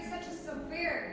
seperti punya kerja